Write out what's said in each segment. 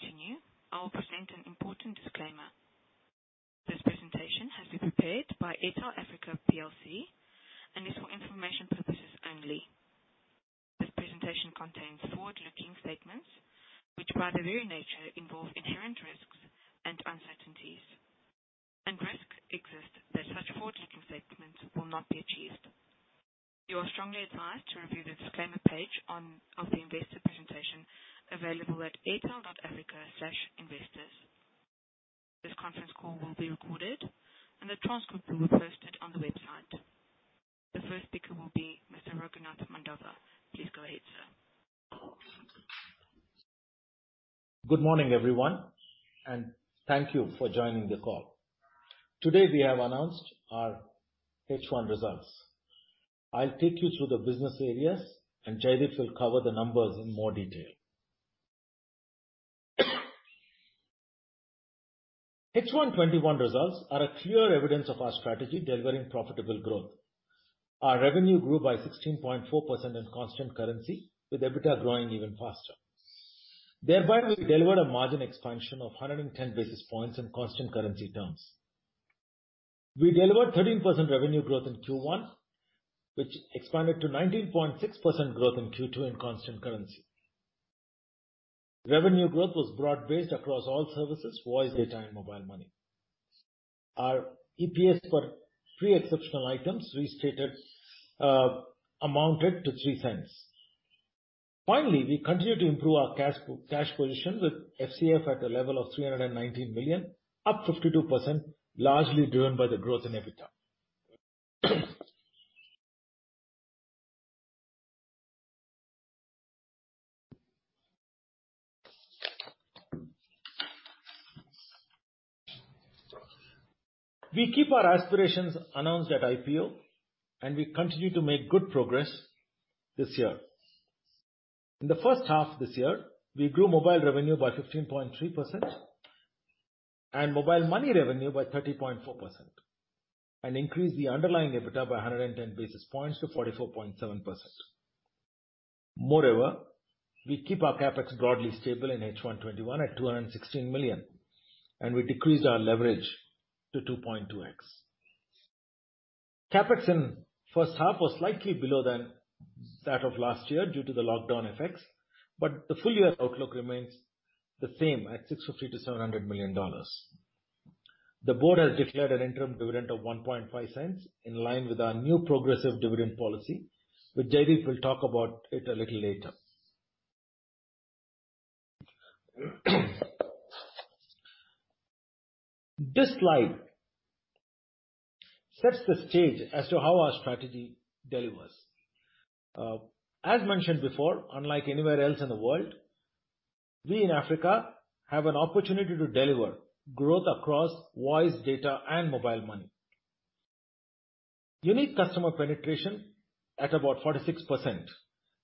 Before we continue, I will present an important disclaimer. This presentation has been prepared by Airtel Africa plc and is for information purposes only. This presentation contains forward-looking statements, which by their very nature involve inherent risks and uncertainties. Risks exist that such forward-looking statements will not be achieved. You are strongly advised to review the disclaimer page of the Investor presentation available at airtel.africa/investors. This conference call will be recorded and a transcript will be posted on the website. The first speaker will be Mr. Raghunath Mandava. Please go ahead, sir. Good morning, everyone, and thank you for joining the call. Today, we have announced our H1 results. I'll take you through the business areas and Jaideep will cover the numbers in more detail. H1 2021 results are a clear evidence of our strategy delivering profitable growth. Our revenue grew by 16.4% in constant currency, with EBITDA growing even faster. Thereby, we delivered a margin expansion of 110 basis points in constant currency terms. We delivered 13% revenue growth in Q1, which expanded to 19.6% growth in Q2 in constant currency. Revenue growth was broad-based across all services, voice, data, and mobile money. Our EPS for pre-exceptional items restated amounted to $0.03. Finally, we continue to improve our cash position with FCF at a level of $319 million, up 52%, largely driven by the growth in EBITDA. We keep our aspirations announced at IPO, and we continue to make good progress this year. In the first half this year, we grew mobile revenue by 15.3% and mobile money revenue by 30.4%, and increased the underlying EBITDA by 110 basis points to 44.7%. Moreover, we keep our CapEx broadly stable in H1 2021 at $216 million, and we decreased our leverage to 2.2x. CapEx in the first half was slightly below than that of last year due to the lockdown effects, but the full-year outlook remains the same at $650 million-$700 million. The board has declared an interim dividend of $0.015 in line with our new progressive dividend policy, which Jaideep will talk about it a little later. This slide sets the stage as to how our strategy delivers. As mentioned before, unlike anywhere else in the world, we in Africa have an opportunity to deliver growth across voice, data, and mobile money. Unique customer penetration at about 46%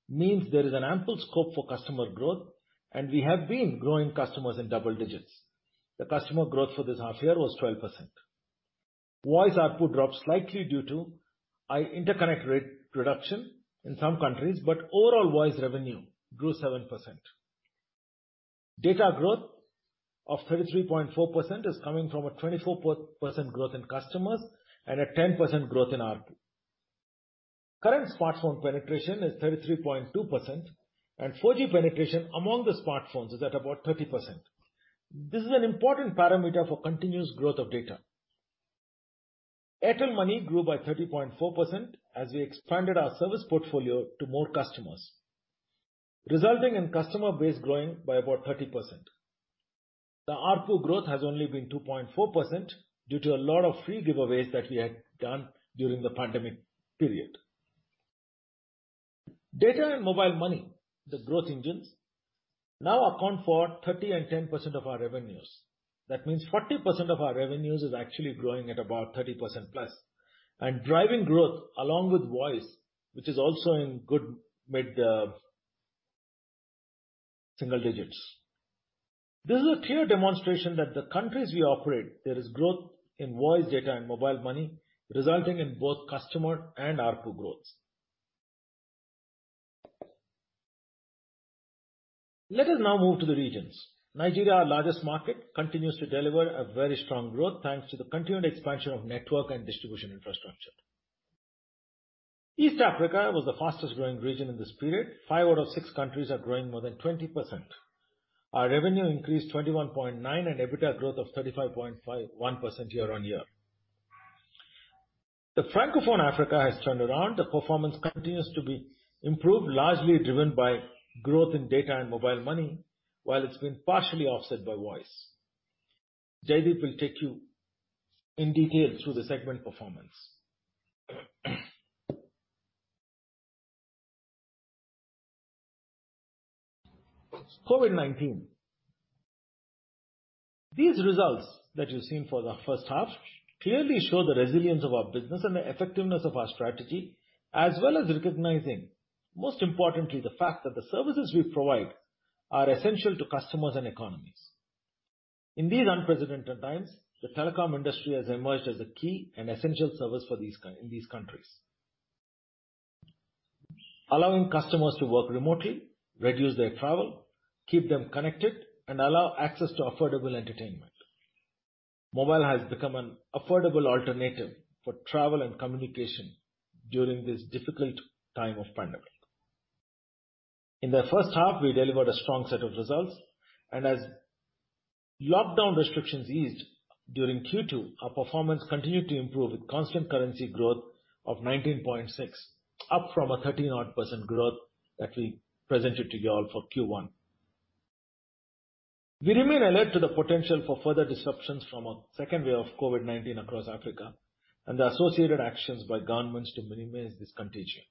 means there is an ample scope for customer growth, and we have been growing customers in double digits. The customer growth for this half-year was 12%. Voice ARPU dropped slightly due to interconnect rate reduction in some countries, but overall voice revenue grew 7%. Data growth of 33.4% is coming from a 24% growth in customers and a 10% growth in ARPU. Current smartphone penetration is 33.2%, and 4G penetration among the smartphones is at about 30%. This is an important parameter for continuous growth of data. Airtel Money grew by 30.4% as we expanded our service portfolio to more customers, resulting in customer base growing by about 30%. The ARPU growth has only been 2.4% due to a lot of free giveaways that we had done during the pandemic period. Data and mobile money, the growth engines, now account for 30% and 10% of our revenues. That means 40% of our revenues is actually growing at about 30%+ and driving growth along with voice, which is also in good mid single digits. This is a clear demonstration that the countries we operate, there is growth in voice, data, and mobile money, resulting in both customer and ARPU growths. Let us now move to the regions. Nigeria, our largest market, continues to deliver a very strong growth thanks to the continued expansion of network and distribution infrastructure. East Africa was the fastest-growing region in this period. Five out of six countries are growing more than 20%. Our revenue increased 21.9% and EBITDA growth of 35.1% year-on-year. The Francophone Africa has turned around. The performance continues to be improved, largely driven by growth in data and mobile money, while it's been partially offset by voice. Jaideep will take you in detail through the segment performance. COVID-19. These results that you've seen for the first half clearly show the resilience of our business and the effectiveness of our strategy, as well as recognizing, most importantly, the fact that the services we provide are essential to customers and economies. In these unprecedented times, the telecom industry has emerged as a key and essential service in these countries, allowing customers to work remotely, reduce their travel, keep them connected, and allow access to affordable entertainment. Mobile has become an affordable alternative for travel and communication during this difficult time of pandemic. In the first half, we delivered a strong set of results, and as lockdown restrictions eased during Q2, our performance continued to improve with constant currency growth of 19.6%, up from a 13% growth that we presented to you all for Q1. We remain alert to the potential for further disruptions from a second wave of COVID-19 across Africa and the associated actions by governments to minimize this contagion.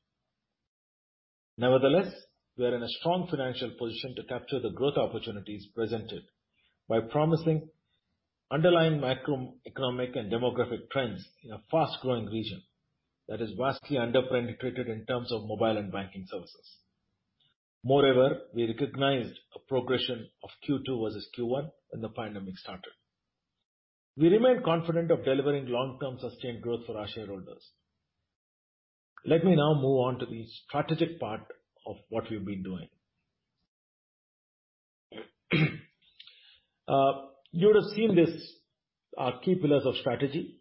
Nevertheless, we are in a strong financial position to capture the growth opportunities presented by promising underlying macroeconomic and demographic trends in a fast-growing region that is vastly under-penetrated in terms of mobile and banking services. Moreover, we recognized a progression of Q2 versus Q1 when the pandemic started. We remain confident of delivering long-term sustained growth for our shareholders. Let me now move on to the strategic part of what we've been doing. You would have seen these are key pillars of strategy.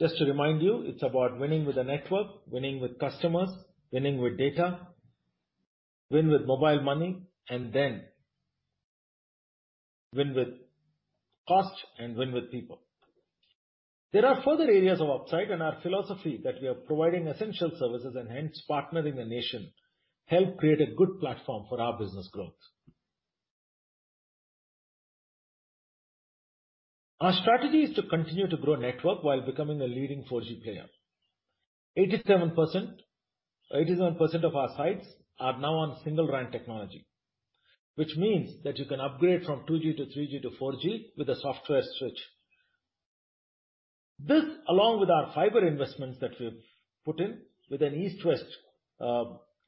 Just to remind you, it's about winning with the network, winning with customers, winning with data, win with mobile money, and then win with cost and win with people. There are further areas of upside and our philosophy that we are providing essential services and hence partnering the nation help create a good platform for our business growth. Our strategy is to continue to grow network while becoming a leading 4G player. 87% of our sites are now on Single RAN technology, which means that you can upgrade from 2G to 3G to 4G with a software switch. This, along with our fiber investments that we've put in with an east-west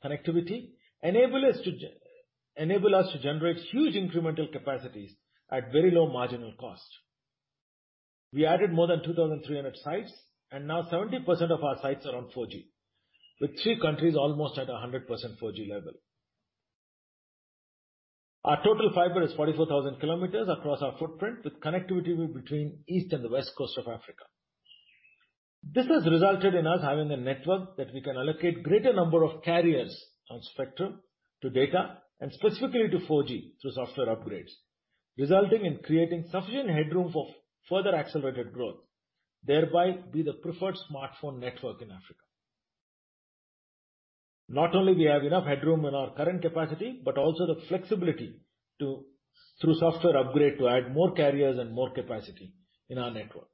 connectivity, enable us to generate huge incremental capacities at very low marginal cost. We added more than 2,300 sites, and now 70% of our sites are on 4G, with three countries almost at 100% 4G level. Our total fiber is 44,000 km across our footprint, with connectivity between east and the west coast of Africa. This has resulted in us having a network that we can allocate greater number of carriers on spectrum to data, and specifically to 4G through software upgrades, resulting in creating sufficient headroom for further accelerated growth, thereby be the preferred smartphone network in Africa. Not only we have enough headroom in our current capacity, but also the flexibility through software upgrade to add more carriers and more capacity in our network.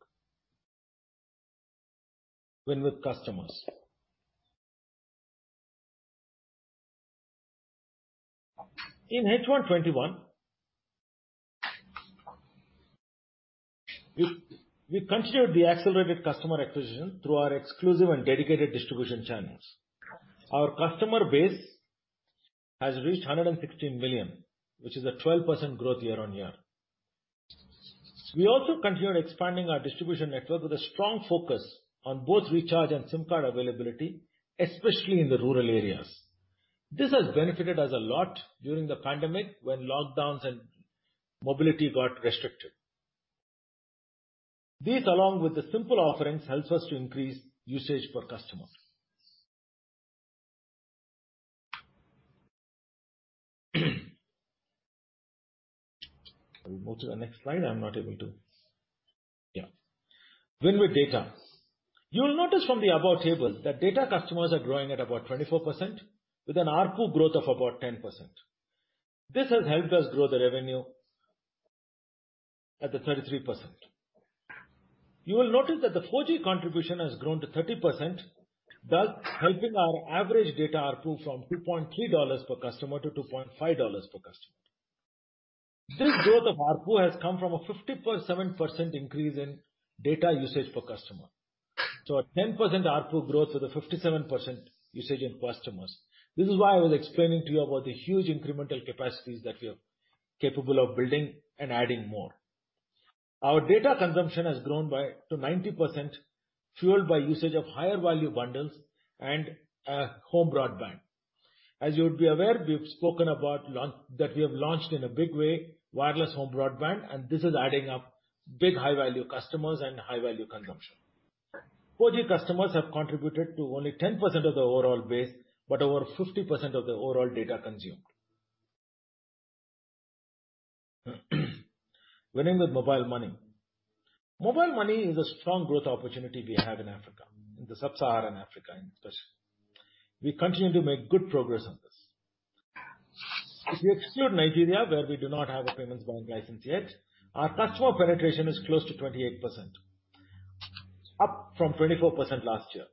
Win with customers. In H1 2021, we continued the accelerated customer acquisition through our exclusive and dedicated distribution channels. Our customer base has reached 116 million, which is a 12% growth year on year. We also continued expanding our distribution network with a strong focus on both recharge and SIM card availability, especially in the rural areas. This has benefited us a lot during the pandemic when lockdowns and mobility got restricted. These, along with the simple offerings, helps us to increase usage per customer. Can we move to the next slide? I'm not able to. Yeah. Win with data. You will notice from the above table that data customers are growing at about 24% with an ARPU growth of about 10%. This has helped us grow the revenue at the 33%. You will notice that the 4G contribution has grown to 30%, thus helping our average data ARPU from $2.3 per customer to $2.5 per customer. This growth of ARPU has come from a 57% increase in data usage per customer. A 10% ARPU growth with a 57% usage in customers. This is why I was explaining to you about the huge incremental capacities that we are capable of building and adding more. Our data consumption has grown by to 90%, fueled by usage of higher value bundles and home broadband. As you would be aware, we've spoken about that we have launched in a big way, wireless home broadband, and this is adding up big, high-value customers and high-value consumption. 4G customers have contributed to only 10% of the overall base, but over 50% of the overall data consumed. Winning with Mobile Money. Mobile money is a strong growth opportunity we have in Africa, in the Sub-Saharan Africa in specific. We continue to make good progress on this. If we exclude Nigeria, where we do not have a payments bank license yet, our customer penetration is close to 28%, up from 24% last year.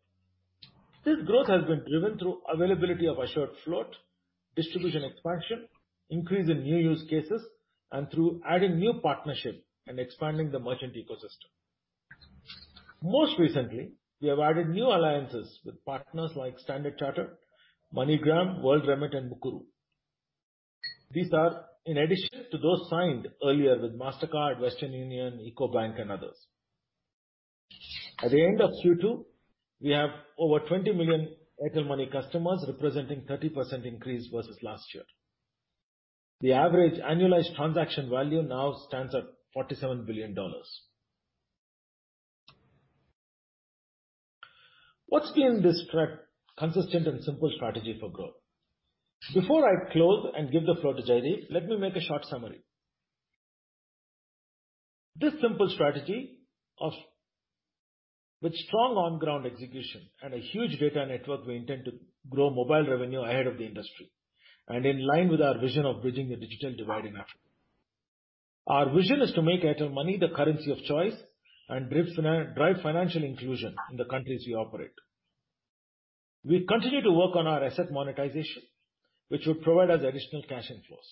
This growth has been driven through availability of assured float, distribution expansion, increase in new use cases, and through adding new partnership and expanding the merchant ecosystem. Most recently, we have added new alliances with partners like Standard Chartered, MoneyGram, WorldRemit, and Mukuru. These are in addition to those signed earlier with Mastercard, Western Union, Ecobank, and others. At the end of Q2, we have over 20 million Airtel Money customers, representing 30% increase versus last year. The average annualized transaction value now stands at $47 billion. What's been this consistent and simple strategy for growth? Before I close and give the floor to Jaideep, let me make a short summary. This simple strategy with strong on-ground execution and a huge data network, we intend to grow mobile revenue ahead of the industry and in line with our vision of bridging the digital divide in Africa. Our vision is to make Airtel Money the currency of choice and drive financial inclusion in the countries we operate. We continue to work on our asset monetization, which would provide us additional cash inflows.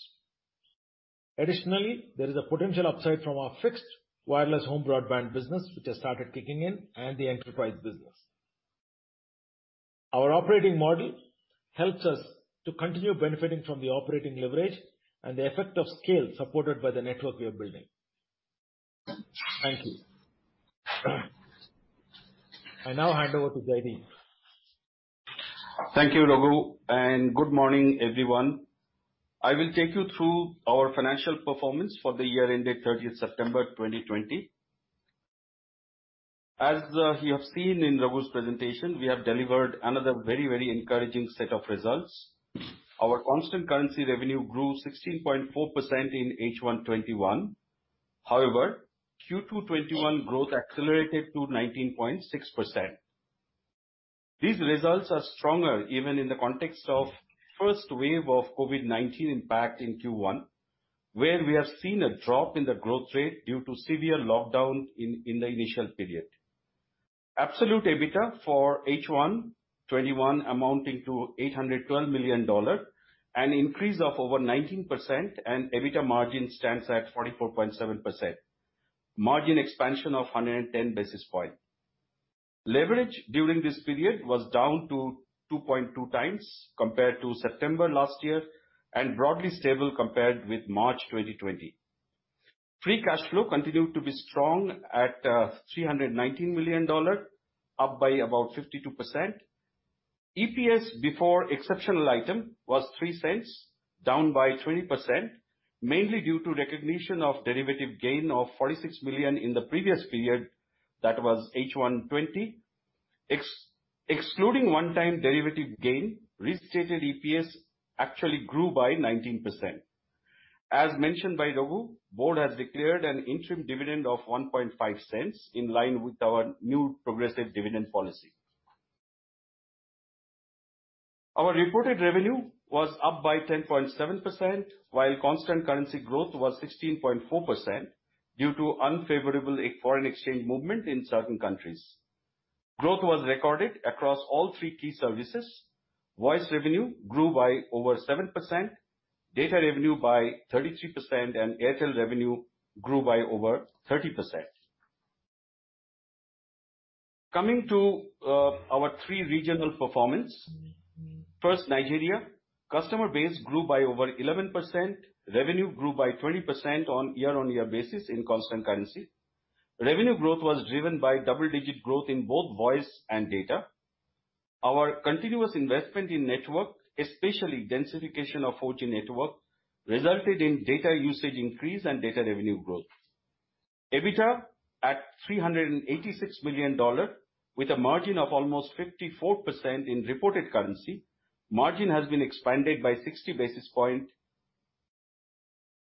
Additionally, there is a potential upside from our fixed wireless home broadband business, which has started kicking in, and the enterprise business. Our operating model helps us to continue benefiting from the operating leverage and the effect of scale supported by the network we are building. Thank you. I now hand over to Jaideep. Thank you, Raghu, and good morning, everyone. I will take you through our financial performance for the year ended 30th September 2020. As you have seen in Raghu's presentation, we have delivered another very encouraging set of results. Our constant currency revenue grew 16.4% in H1 2021. Q2 2021 growth accelerated to 19.6%. These results are stronger even in the context of first wave of COVID-19 impact in Q1, where we have seen a drop in the growth rate due to severe lockdown in the initial period. Absolute EBITDA for H1 2021 amounting to $812 million, an increase of over 19%. EBITDA margin stands at 44.7%. Margin expansion of 110 basis points. Leverage during this period was down to 2.2x compared to September last year, broadly stable compared with March 2020. Free cash flow continued to be strong at $319 million, up by about 52%. EPS before exceptional item was $0.03, down by 20%, mainly due to recognition of derivative gain of $46 million in the previous period, that was H1 2020. Excluding one-time derivative gain, restated EPS actually grew by 19%. As mentioned by Raghu, board has declared an interim dividend of $0.015, in line with our new progressive dividend policy. Our reported revenue was up by 10.7%, while constant currency growth was 16.4% due to unfavorable foreign exchange movement in certain countries. Growth was recorded across all three key services. Voice revenue grew by over 7%, data revenue by 33%, and Airtel revenue grew by over 30%. Coming to our three regional performance. First, Nigeria. Customer base grew by over 11%. Revenue grew by 20% on year-on-year basis in constant currency. Revenue growth was driven by double-digit growth in both voice and data. Our continuous investment in network, especially densification of 4G network, resulted in data usage increase and data revenue growth. EBITDA at $386 million, with a margin of almost 54% in reported currency. Margin has been expanded by 60 basis points.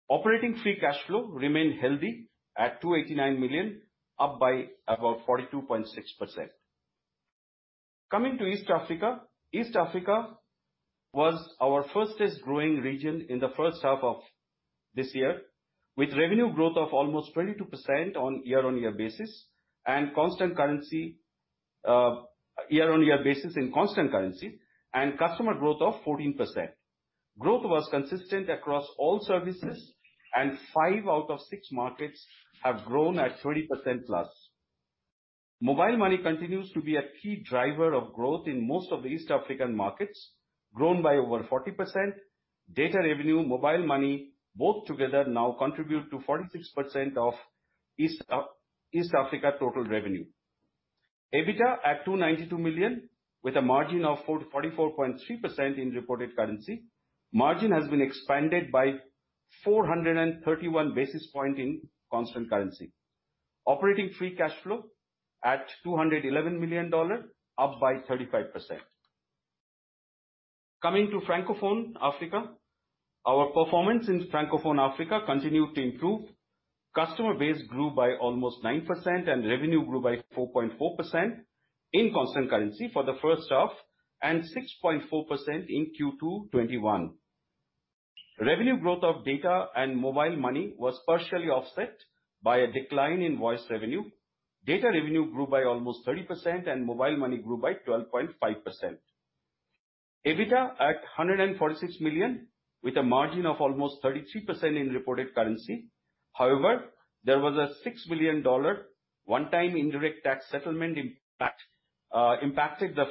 Operating free cash flow remained healthy at $289 million, up by about 42.6%. Coming to East Africa. East Africa was our fastest growing region in the first half of this year, with revenue growth of almost 22% on a year-on-year basis in constant currency, and customer growth of 14%. Growth was consistent across all services, and five out of six markets have grown at 20%+. Mobile money continues to be a key driver of growth in most of the East African markets, grown by over 40%. Data revenue, Mobile money, both together now contribute to 46% of East Africa total revenue. EBITDA at $292 million, with a margin of 44.3% in reported currency. Margin has been expanded by 431 basis points in constant currency. Operating free cash flow at $211 million, up by 35%. Coming to Francophone Africa. Our performance in Francophone Africa continued to improve. Customer base grew by almost 9%, and revenue grew by 4.4% in constant currency for the first half, and 6.4% in Q2 2021. Revenue growth of data and mobile money was partially offset by a decline in voice revenue. Data revenue grew by almost 30%, and mobile money grew by 12.5%. EBITDA at $146 million, with a margin of almost 33% in reported currency. There was a $6 million one-time indirect tax settlement impacted the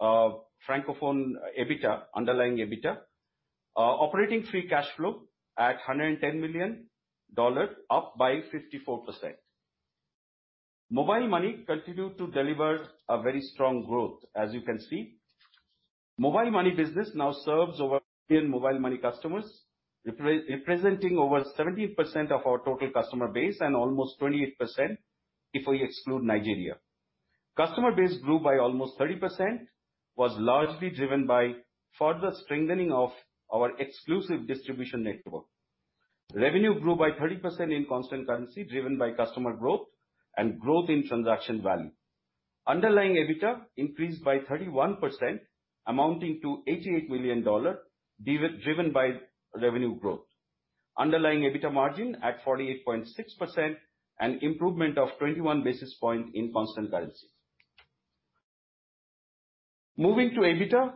Francophone EBITDA, underlying EBITDA. Operating free cash flow at $110 million, up by 54%. Mobile money continued to deliver a very strong growth, as you can see. Mobile money business now serves over mobile money customers, representing over 70% of our total customer base and almost 28% if we exclude Nigeria. Customer base grew by almost 30%, was largely driven by further strengthening of our exclusive distribution network. Revenue grew by 30% in constant currency, driven by customer growth and growth in transaction value. Underlying EBITDA increased by 31%, amounting to $88 million, driven by revenue growth. Underlying EBITDA margin at 48.6%, an improvement of 21 basis point in constant currency. Moving to EBITDA.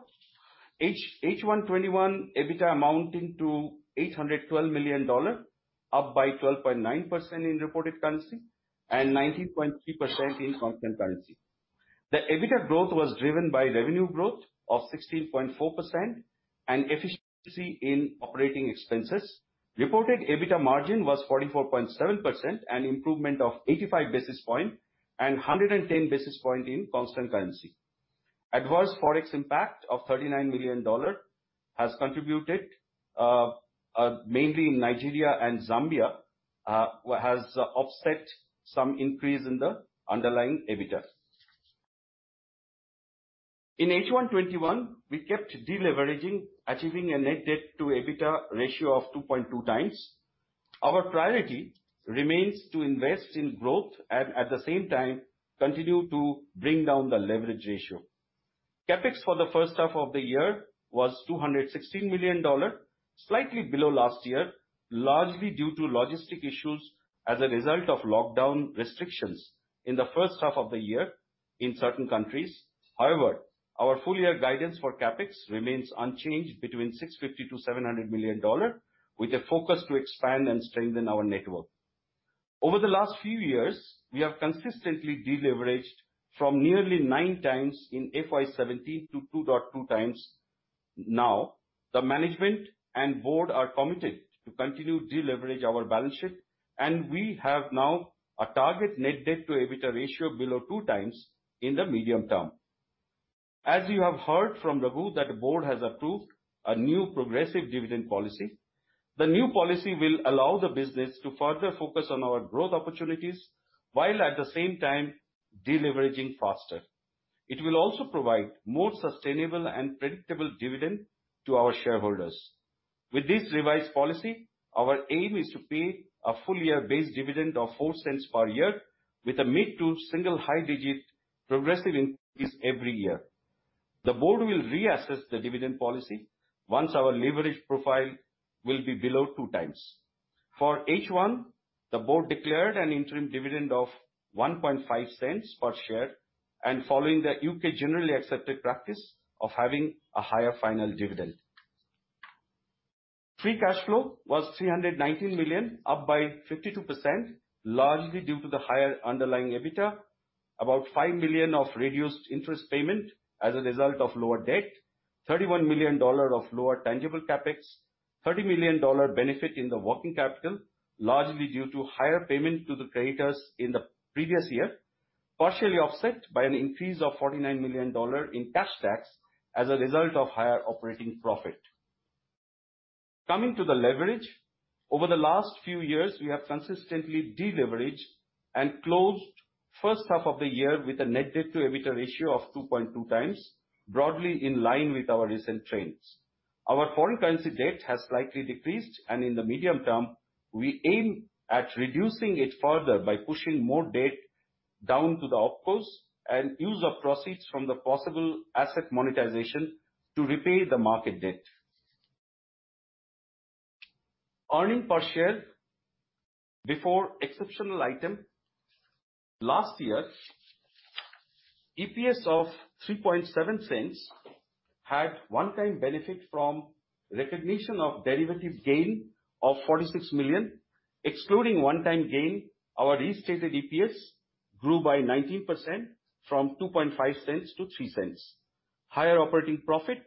H1 2021 EBITDA amounting to $812 million, up by 12.9% in reported currency and 19.3% in constant currency. The EBITDA growth was driven by revenue growth of 16.4% and efficiency in operating expenses. Reported EBITDA margin was 44.7%, an improvement of 85 basis point and 110 basis point in constant currency. Adverse Forex impact of $39 million has contributed, mainly in Nigeria and Zambia, has offset some increase in the underlying EBITDA. In H1 2021, we kept de-leveraging, achieving a net debt to EBITDA ratio of 2.2x. Our priority remains to invest in growth and, at the same time, continue to bring down the leverage ratio. CapEx for the first half of the year was $216 million, slightly below last year, largely due to logistic issues as a result of lockdown restrictions in the first half of the year in certain countries. However, our full year guidance for CapEx remains unchanged between $650 million-$700 million, with a focus to expand and strengthen our network. Over the last few years, we have consistently de-leveraged from nearly 9x in FY 2017 to 2.2x now. The management and board are committed to continue de-leverage our balance sheet. We have now a target net debt to EBITDA ratio below 2x in the medium term. As you have heard from Raghu that the board has approved a new progressive dividend policy. The new policy will allow the business to further focus on our growth opportunities, while at the same time de-leveraging faster. It will also provide more sustainable and predictable dividend to our shareholders. With this revised policy, our aim is to pay a full year base dividend of $0.04 per year with a mid to single high digit progressive increase every year. The board will reassess the dividend policy once our leverage profile will be below 2x. For H1, the board declared an interim dividend of $0.015 per share, and following the U.K. generally accepted practice of having a higher final dividend. Free cash flow was $319 million, up by 52%, largely due to the higher underlying EBITDA. About $5 million of reduced interest payment as a result of lower debt, $31 million of lower tangible CapEx, $30 million benefit in the working capital, largely due to higher payment to the creditors in the previous year, partially offset by an increase of $49 million in cash tax as a result of higher operating profit. Coming to the leverage. Over the last few years, we have consistently de-leveraged and closed first half of the year with a net debt to EBITDA ratio of 2.2x, broadly in line with our recent trends. Our foreign currency debt has slightly decreased, and in the medium term, we aim at reducing it further by pushing more debt down to the OpCos and use of proceeds from the possible asset monetization to repay the market debt. Earnings per share before exceptional item. Last year, EPS of $0.037 had one-time benefit from recognition of derivative gain of $46 million. Excluding one-time gain, our restated EPS grew by 19%, from $0.025 to $0.03. Higher operating profit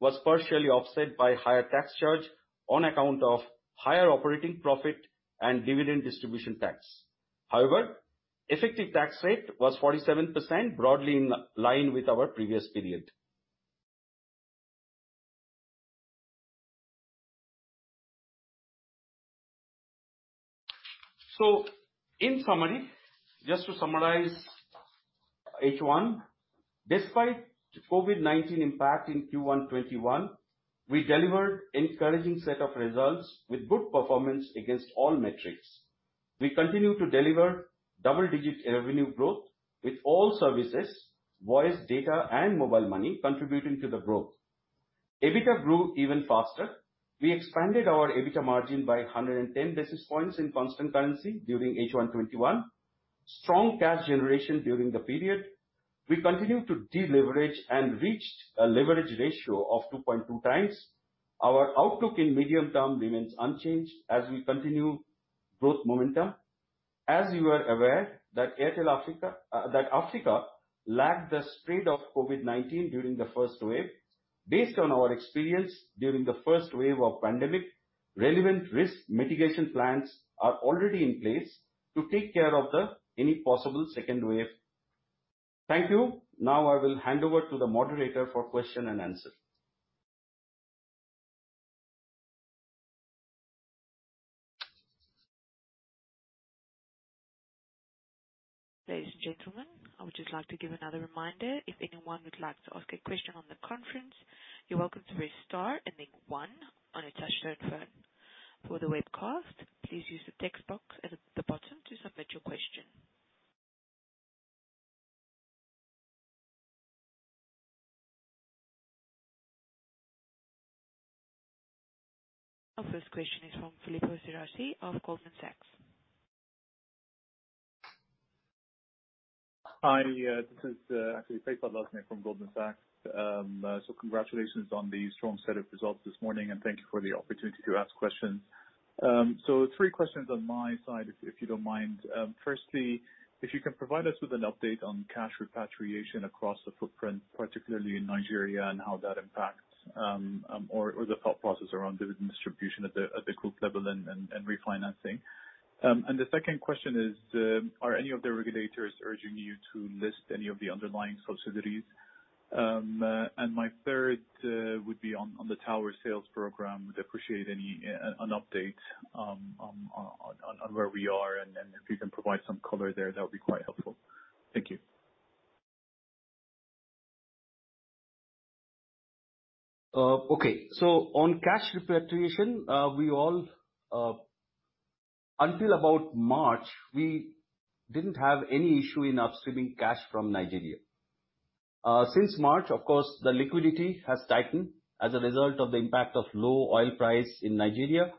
was partially offset by higher tax charge on account of higher operating profit and dividend distribution tax. Effective tax rate was 47%, broadly in line with our previous period. In summary, just to summarize H1, despite COVID-19 impact in Q1 2021, we delivered encouraging set of results with good performance against all metrics. We continue to deliver double-digit revenue growth with all services, voice, data, and mobile money contributing to the growth. EBITDA grew even faster. We expanded our EBITDA margin by 110 basis points in constant currency during H1 2021. Strong cash generation during the period. We continue to de-leverage and reached a leverage ratio of 2.2x. Our outlook in medium-term remains unchanged as we continue to growth momentum. As you are aware, that Africa lagged the spread of COVID-19 during the first wave. Based on our experience during the first wave of pandemic, relevant risk mitigation plans are already in place to take care of any possible second wave. Thank you. Now I will hand over to the moderator for question and answer. Ladies and gentlemen, I would just like to give another reminder. If anyone would like to ask a question on the conference, you're welcome to press star and then one on a touchtone phone. For the webcast, please use the text box at the bottom to submit your question. Our first question is from Filippo Cerasi of Goldman Sachs. Hi, this is Filippo from Goldman Sachs. Congratulations on the strong set of results this morning, and thank you for the opportunity to ask questions. Three questions on my side, if you don't mind. Firstly, if you can provide us with an update on cash repatriation across the footprint, particularly in Nigeria, and how that impacts, or the thought process around dividend distribution at the group level and refinancing. The second question is, are any of the regulators urging you to list any of the underlying subsidiaries? My third would be on the tower sales program. Would appreciate an update on where we are and if you can provide some color there, that would be quite helpful. Thank you. Okay. On cash repatriation, until about March, we didn't have any issue in upstreaming cash from Nigeria. Since March, of course, the liquidity has tightened as a result of the impact of low oil price in Nigeria.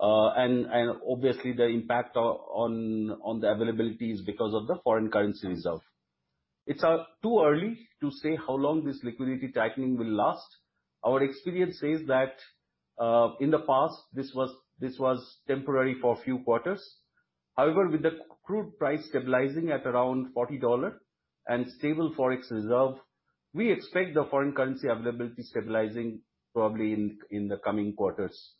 Obviously the impact on the availability is because of the foreign currency reserve. It's too early to say how long this liquidity tightening will last. Our experience says that, in the past, this was temporary for a few quarters. However, with the crude price stabilizing at around $40 and stable Forex reserve, we expect the foreign currency availability stabilizing probably in the coming quarters.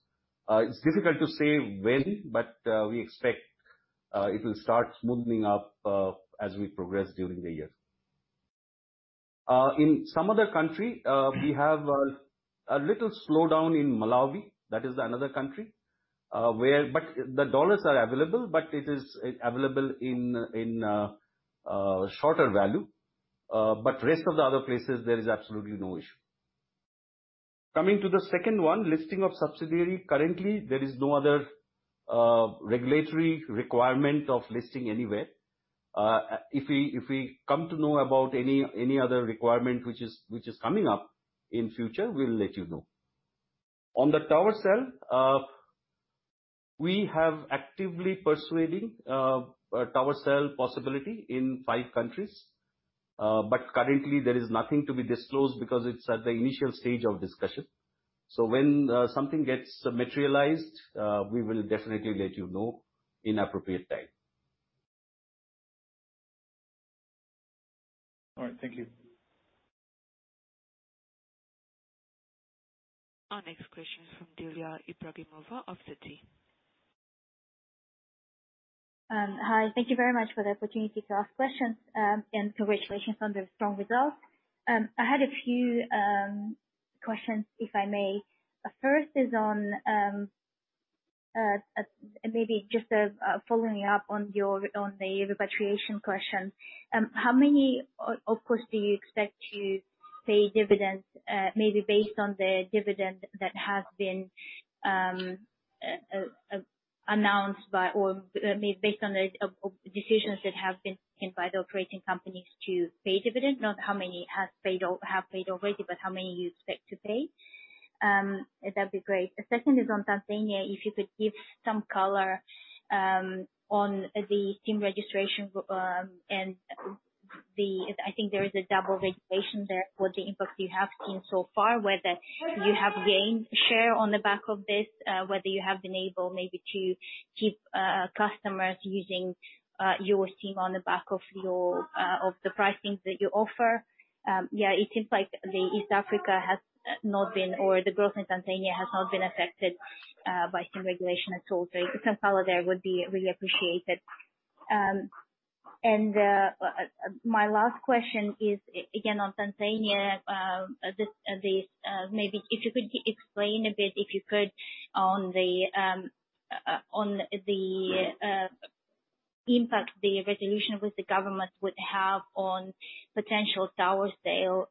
It's difficult to say when, we expect it will start smoothing up as we progress during the year. In some other country, we have a little slowdown in Malawi, that is another country. The dollars are available, it is available in shorter value. Rest of the other places, there is absolutely no issue. Coming to the second one, listing of subsidiary. Currently, there is no other regulatory requirement of listing anywhere. If we come to know about any other requirement which is coming up in future, we'll let you know. On the tower sale, we have actively persuading a tower sale possibility in five countries. Currently there is nothing to be disclosed because it's at the initial stage of discussion. When something gets materialized, we will definitely let you know in appropriate time. All right. Thank you. Our next question is from Dilya Ibragimova of Citi. Hi. Thank you very much for the opportunity to ask questions, and congratulations on the strong results. I had a few questions, if I may. First is on, maybe just following up on the repatriation question. How many OpCos do you expect to pay dividends, maybe based on the dividend that has been announced or based on the decisions that have been taken by the operating companies to pay dividends? Not how many have paid already, but how many you expect to pay. That'd be great. The second is on Tanzania. If you could give some color on the SIM registration and the I think there is a double registration there for the impact you have seen so far, whether you have gained share on the back of this, whether you have been able maybe to keep customers using your SIM on the back of the pricing that you offer. Yeah, it seems like East Africa has not been, or the growth in Tanzania has not been affected by SIM regulation at all. If you can color there, would be really appreciated. My last question is, again, on Tanzania. Maybe if you could explain a bit, if you could, on the impact the resolution with the government would have on potential tower sale.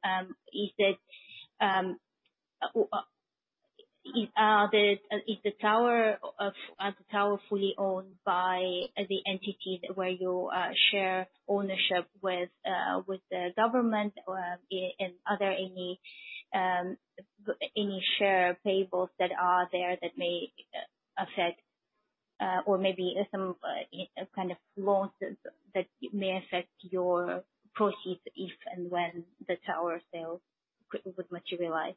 Is the tower fully owned by the entities where you share ownership with the government? Are there any share payables that are there that may affect or maybe some kind of loans that may affect your proceeds if and when the tower sale would materialize?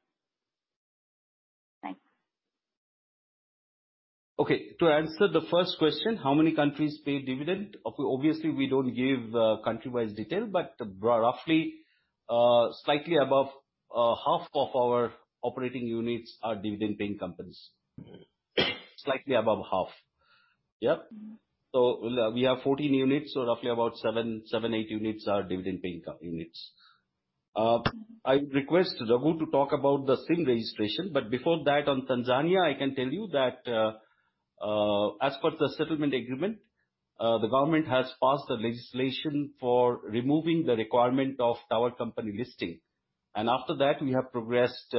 Thanks. To answer the first question, how many countries pay dividend? Obviously, we don't give country-wide detail, but roughly, slightly above half of our operating units are dividend-paying companies. Slightly above half. We have 14 units, so roughly about seven, eight units are dividend-paying units. I request Raghu to talk about the SIM registration, but before that, on Tanzania, I can tell you that, as per the settlement agreement, the government has passed a legislation for removing the requirement of tower company listing. After that, we have progressed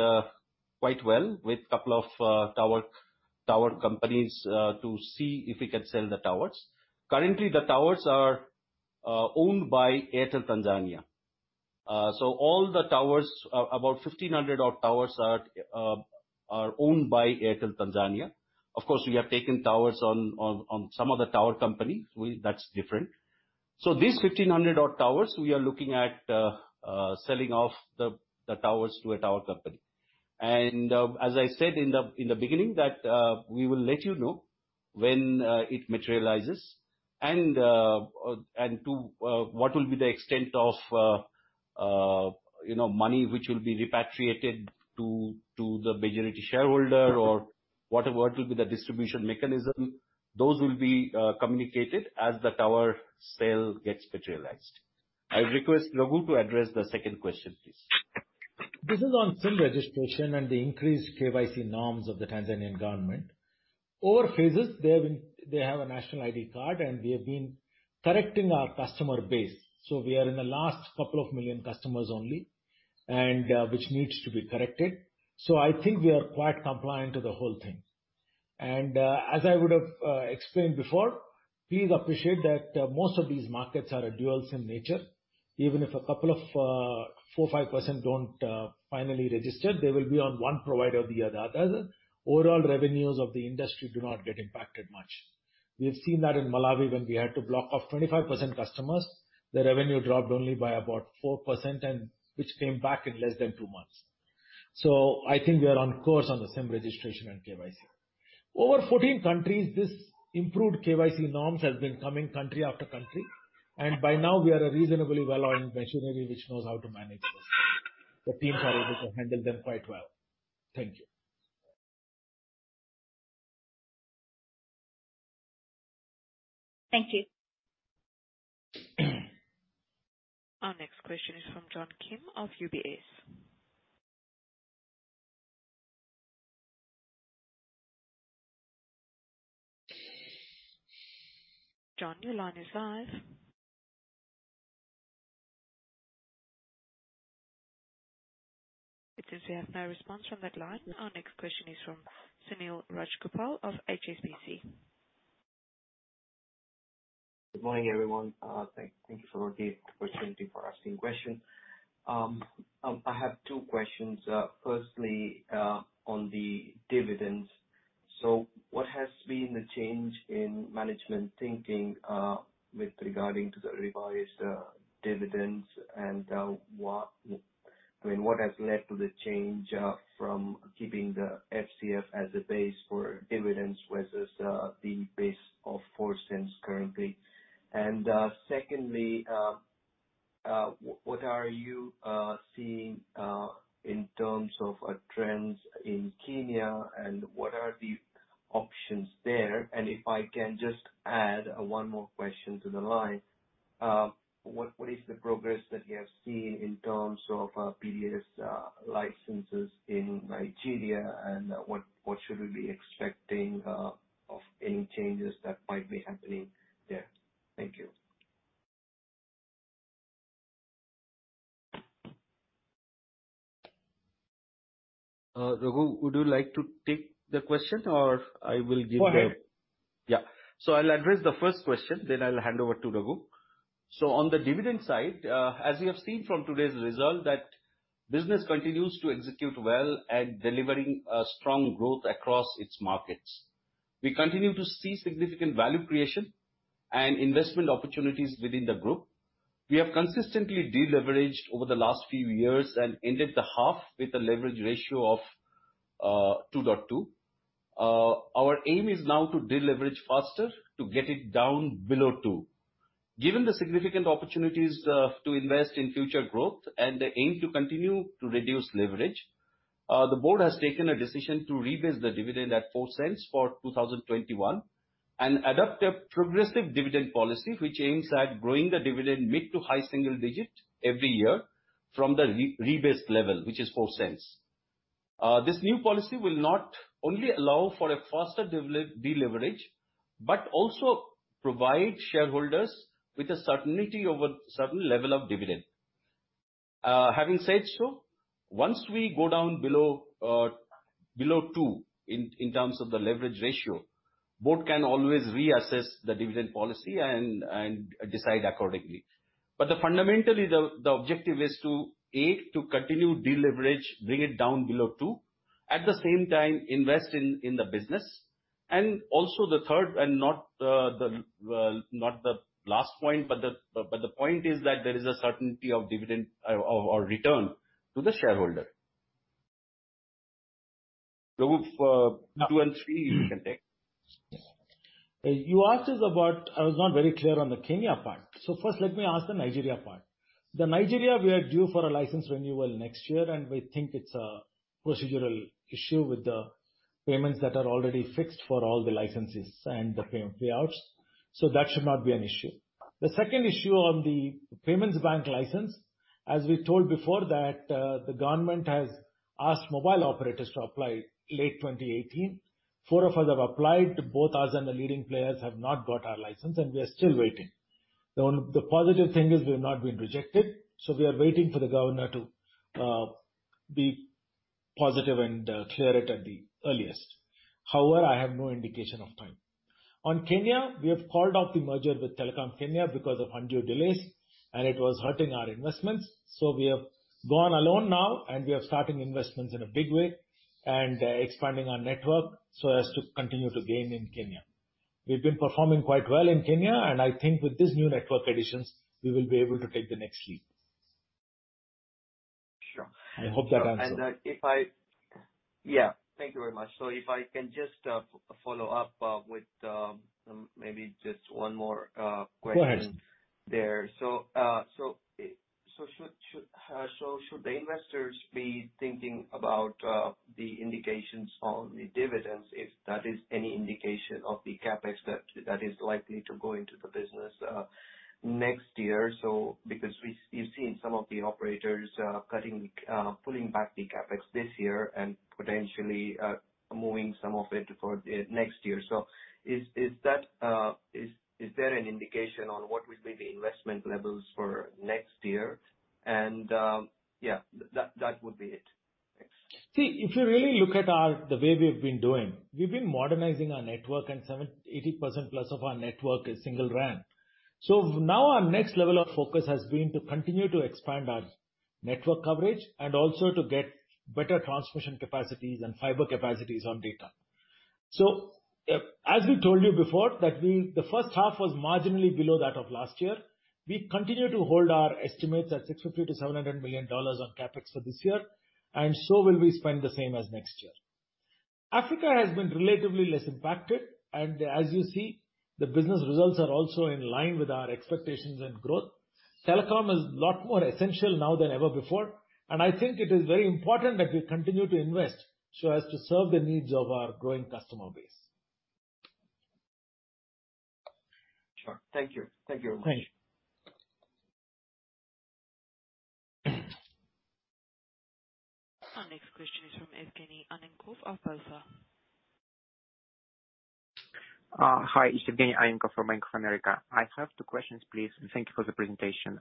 quite well with a couple of tower companies to see if we can sell the towers. Currently, the towers are owned by Airtel Tanzania. All the towers, about 1,500 odd towers are owned by Airtel Tanzania. Of course, we have taken towers on some other tower companies. That's different. These 1,500 odd towers, we are looking at selling off the towers to a tower company. As I said in the beginning, that we will let you know when it materializes and what will be the extent of money which will be repatriated to the majority shareholder or what will be the distribution mechanism. Those will be communicated as the tower sale gets materialized. I request Raghu to address the second question, please. This is on SIM registration and the increased KYC norms of the Tanzanian government. Over phases, they have a national ID card, and we have been correcting our customer base. We are in the last couple of million customers only, and which needs to be corrected. I think we are quite compliant to the whole thing. As I would have explained before, please appreciate that most of these markets are dual SIM in nature. Even if a couple of 4%, 5% don't finally register, they will be on one provider or the other. Overall revenues of the industry do not get impacted much. We have seen that in Malawi, when we had to block off 25% customers, the revenue dropped only by about 4%, which came back in less than two months. I think we are on course on the SIM registration and KYC. Over 14 countries, this improved KYC norms has been coming country after country. By now we are a reasonably well-oiled machinery which knows how to manage this. The teams are able to handle them quite well. Thank you. Thank you. Our next question is from John Kim of UBS. John, your line is live. It seems we have no response from that line. Our next question is from Sunil Rajgopal of HSBC. Good morning, everyone. Thank you for the opportunity for asking question. I have two questions. Firstly, on the dividends. What has been the change in management thinking, with regard to the revised dividends and what has led to the change from keeping the FCF as a base for dividends versus the base of $0.04 currently? Secondly, what are you seeing in terms of trends in Kenya, and what are the options there? If I can just add one more question to the line, what is the progress that you have seen in terms of PSB licenses in Nigeria, and what should we be expecting of any changes that might be happening there? Thank you. Raghu, would you like to take the question or I will give? Go ahead. I'll address the first question, then I'll hand over to Raghu. On the dividend side, as you have seen from today's result, that business continues to execute well and delivering a strong growth across its markets. We continue to see significant value creation and investment opportunities within the group. We have consistently deleveraged over the last few years and ended the half with a leverage ratio of 2.2. Our aim is now to deleverage faster to get it down below two. Given the significant opportunities to invest in future growth and the aim to continue to reduce leverage, the board has taken a decision to rebase the dividend at $0.04 for 2021 and adopt a progressive dividend policy, which aims at growing the dividend mid to high single digit every year from the rebased level, which is $0.04. This new policy will not only allow for a faster deleverage, but also provide shareholders with a certainty over certain level of dividend. Having said so, once we go down below two, in terms of the leverage ratio, board can always reassess the dividend policy and decide accordingly. Fundamentally, the objective is to, A, to continue deleverage, bring it down below two. At the same time, invest in the business. Also the third, and not the last point, but the point is that there is a certainty of dividend or return to the shareholder. Raghu, two and three you can take. You asked us about, I was not very clear on the Kenya part. First let me ask the Nigeria part. The Nigeria we are due for a license renewal next year, we think it's a procedural issue with the payments that are already fixed for all the licenses and the payouts. That should not be an issue. The second issue on the Payments Bank license, as we told before that, the government has asked mobile operators to apply late 2018. Four of us have applied, both us and the leading players have not got our license, we are still waiting. The positive thing is we have not been rejected, we are waiting for the governor to be positive and clear it at the earliest. However, I have no indication of time. On Kenya, we have called off the merger with Telkom Kenya because of undue delays, and it was hurting our investments. We have gone alone now, and we are starting investments in a big way and expanding our network so as to continue to gain in Kenya. We've been performing quite well in Kenya, and I think with this new network additions, we will be able to take the next leap. Sure. I hope that answers. Yeah. Thank you very much. If I can just follow up with maybe just one more question there. Go ahead. Should the investors be thinking about the indications on the dividends, if that is any indication of the CapEx that is likely to go into the business next year? We've seen some of the operators pulling back the CapEx this year and potentially moving some of it toward next year. Is there an indication on what would be the investment levels for next year? Yeah, that would be it. Thanks. If you really look at the way we've been doing, we've been modernizing our network and 80%+ of our network is Single RAN. Now our next level of focus has been to continue to expand our network coverage and also to get better transmission capacities and fiber capacities on data. As we told you before, that the first half was marginally below that of last year. We continue to hold our estimates at $650 million-$700 million on CapEx for this year, will we spend the same as next year. Africa has been relatively less impacted, as you see, the business results are also in line with our expectations and growth. Telecom is a lot more essential now than ever before. I think it is very important that we continue to invest so as to serve the needs of our growing customer base. Sure. Thank you. Thank you very much. Thanks. Our next question is from Evgenii Annenkov of BofA. Hi, it's Evgenii Annenkov from Bank of America. I have two questions, please, and thank you for the presentation.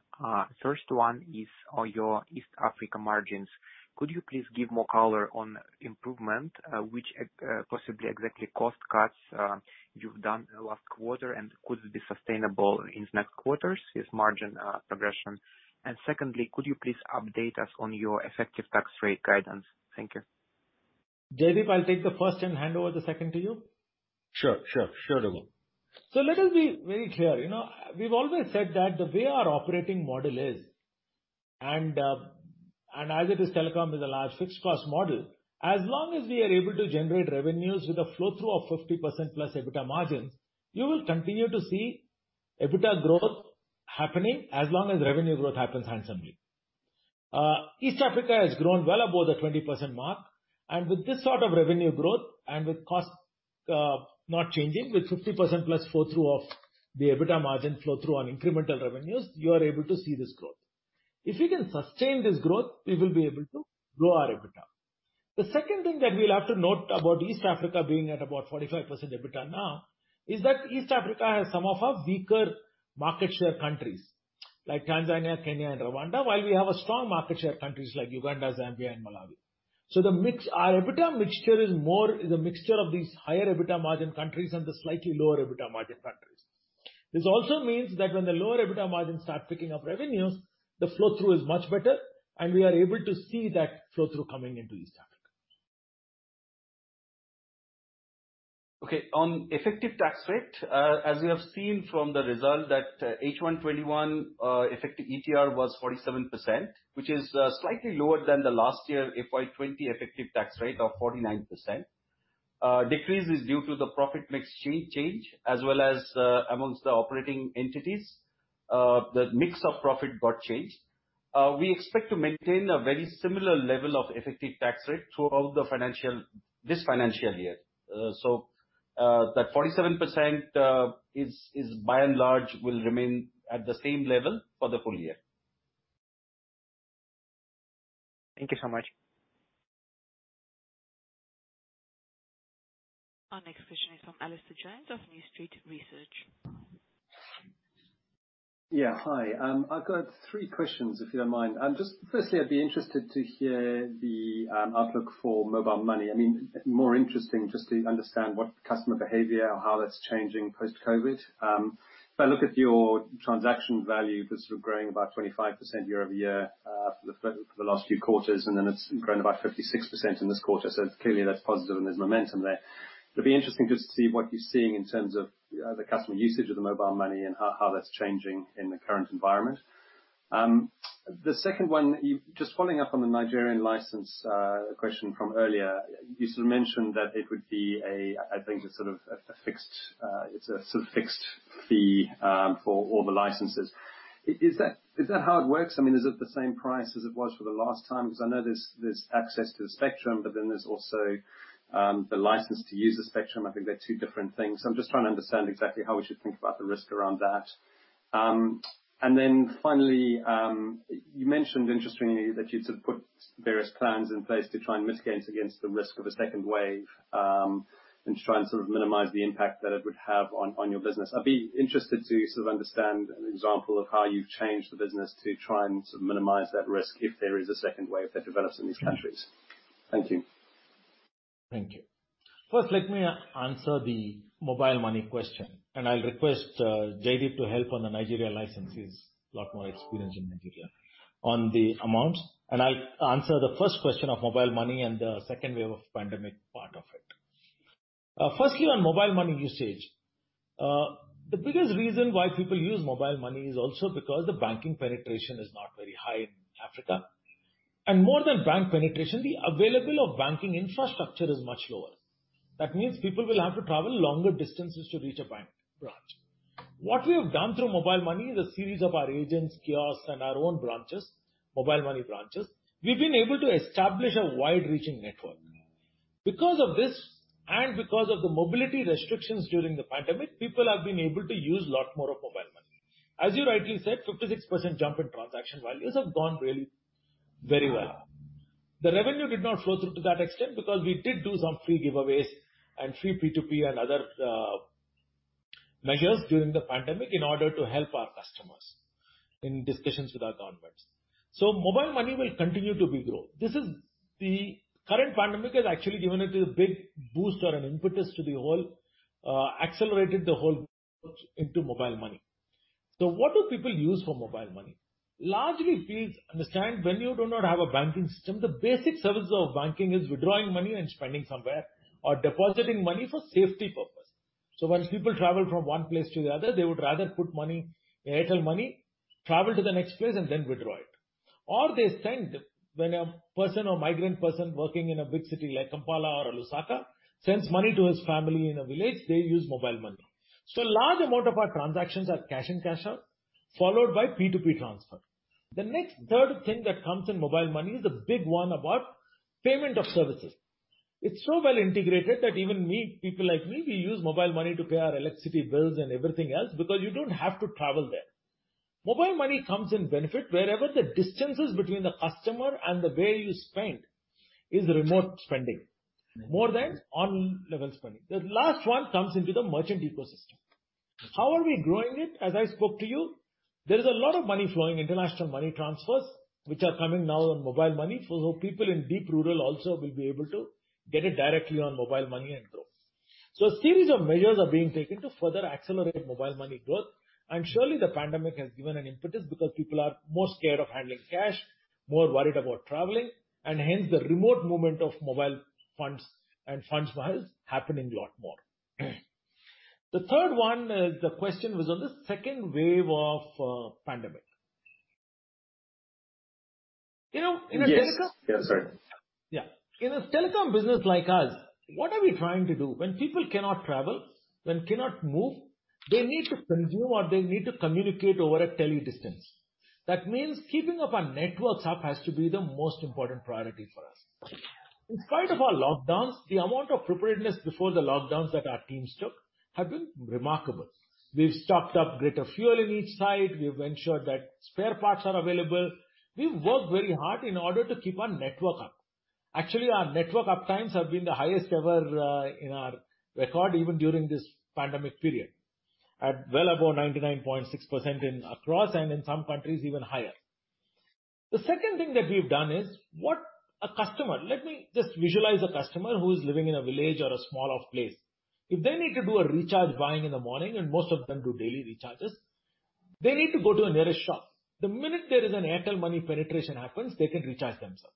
First one is on your East Africa margins. Could you please give more color on improvement, which possibly exactly cost cuts you've done last quarter and could it be sustainable in next quarters with margin progression? Secondly, could you please update us on your effective tax rate guidance? Thank you. Jaideep, I'll take the first and hand over the second to you? Sure, Raghu. Let us be very clear. We've always said that the way our operating model is, and as it is, telecom is a large fixed cost model. As long as we are able to generate revenues with a flow-through of 50%+ EBITDA margins, you will continue to see EBITDA growth happening as long as revenue growth happens handsomely. East Africa has grown well above the 20% mark, and with this sort of revenue growth and with cost not changing, with 50%+ flow-through of the EBITDA margin flow-through on incremental revenues, you are able to see this growth. If we can sustain this growth, we will be able to grow our EBITDA. The second thing that we'll have to note about East Africa being at about 45% EBITDA now is that East Africa has some of our weaker market share countries like Tanzania, Kenya and Rwanda. While we have a strong market share countries like Uganda, Zambia and Malawi. Our EBITDA mixture is a mixture of these higher EBITDA margin countries and the slightly lower EBITDA margin countries. This also means that when the lower EBITDA margins start picking up revenues, the flow-through is much better, and we are able to see that flow-through coming into East Africa. Okay. On effective tax rate, as you have seen from the result that H1 2021 effective ETR was 47%, which is slightly lower than the last year FY 2020 effective tax rate of 49%. Decrease is due to the profit mix change as well as amongst the operating entities. The mix of profit got changed. We expect to maintain a very similar level of effective tax rate throughout this financial year. That 47% is by and large will remain at the same level for the full year. Thank you so much. Our next question is from Alastair Jones of New Street Research. Hi. I've got three questions, if you don't mind. Firstly, I'd be interested to hear the outlook for mobile money. More interesting to understand what customer behavior or how that's changing post-COVID. If I look at your transaction value, that's growing about 25% year-over-year for the last few quarters, and then it's grown about 56% in this quarter. Clearly that's positive and there's momentum there. It'd be interesting to see what you're seeing in terms of the customer usage of the mobile money and how that's changing in the current environment. The second one, following up on the Nigerian license question from earlier. You mentioned that it would be a fixed fee for all the licenses. Is that how it works? Is it the same price as it was for the last time? Because I know there's access to the spectrum, but then there's also the license to use the spectrum. I think they're two different things. I'm just trying to understand exactly how we should think about the risk around that. Finally, you mentioned, interestingly, that you'd put various plans in place to try and mitigate against the risk of a second wave, and to try and minimize the impact that it would have on your business. I'd be interested to understand an example of how you've changed the business to try and minimize that risk if there is a second wave that develops in these countries. Thank you. Thank you. First, let me answer the Mobile Money question, and I'll request Jaideep to help on the Nigeria licenses, lot more experience in Nigeria, on the amounts. I'll answer the first question of Mobile Money and the second wave of pandemic part of it. Firstly, on Mobile Money usage. The biggest reason why people use Mobile Money is also because the banking penetration is not very high in Africa. More than bank penetration, the availability of banking infrastructure is much lower. That means people will have to travel longer distances to reach a bank branch. What we have done through Mobile Money is a series of our agents, kiosks, and our own branches, Mobile Money branches, we've been able to establish a wide-reaching network. Because of this, and because of the mobility restrictions during the pandemic, people have been able to use lot more of Mobile Money. As you rightly said, 56% jump in transaction values have gone really very well. The revenue did not flow through to that extent because we did do some free giveaways and free P2P and other measures during the pandemic in order to help our customers in discussions with our governments. Mobile Money will continue to be grown. The current pandemic has actually given it a big boost or an impetus to the whole, accelerated the whole into Mobile Money. What do people use for Mobile Money? Largely, please understand, when you do not have a banking system, the basic service of banking is withdrawing money and spending somewhere or depositing money for safety purpose. When people travel from one place to the other, they would rather put Airtel Money, travel to the next place, and then withdraw it. They send when a person or migrant person working in a big city like Kampala or Lusaka sends money to his family in a village, they use Mobile Money. A large amount of our transactions are cash in, cash out, followed by P2P transfer. The next third thing that comes in Mobile Money is the big one about payment of services. It's so well integrated that even people like me, we use Mobile Money to pay our electricity bills and everything else because you don't have to travel there. Mobile Money comes in benefit wherever the distances between the customer and the way you spend is remote spending more than on levels spending. The last one comes into the merchant ecosystem. How are we growing it? As I spoke to you, there is a lot of money flowing, international money transfers, which are coming now on Mobile Money. People in deep rural also will be able to get it directly on Mobile Money and grow. A series of measures are being taken to further accelerate Mobile Money growth. Surely the pandemic has given an impetus because people are more scared of handling cash, more worried about traveling, and hence the remote movement of mobile funds and funds wires happening a lot more. The third one, the question was on the second wave of pandemic. Yes. Sorry. Yeah. In a telecom business like us, what are we trying to do? When people cannot travel, when cannot move, they need to consume or they need to communicate over a tele distance. That means keeping up our networks up has to be the most important priority for us. In spite of our lockdowns, the amount of preparedness before the lockdowns that our teams took have been remarkable. We've stocked up greater fuel in each site. We've ensured that spare parts are available. We've worked very hard in order to keep our network up. Actually, our network uptimes have been the highest ever in our record, even during this pandemic period, at well above 99.6% across and in some countries, even higher. The second thing that we've done is, let me just visualize a customer who is living in a village or a small place. If they need to do a recharge buying in the morning, and most of them do daily recharges, they need to go to the nearest shop. The minute there is an Airtel Money penetration happens, they can recharge themselves.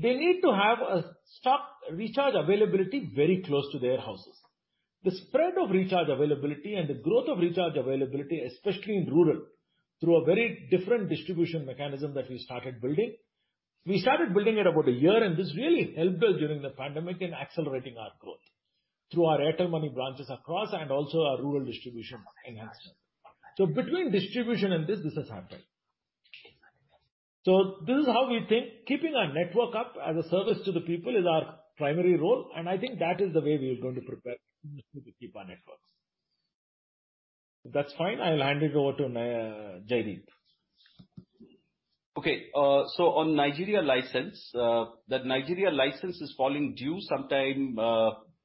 They need to have a stock recharge availability very close to their houses. The spread of recharge availability and the growth of recharge availability, especially in rural, through a very different distribution mechanism that we started building. We started building it about a year. This really helped us during the pandemic in accelerating our growth through our Airtel Money branches across and also our rural distribution. Between distribution and this has happened. This is how we think. Keeping our network up as a service to the people is our primary role, and I think that is the way we are going to prepare to keep our networks. If that's fine, I'll hand it over to Jaideep. Okay. On Nigeria license. That Nigeria license is falling due sometime